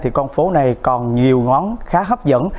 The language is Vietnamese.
thì con phố này còn nhiều ngón khá hấp dẫn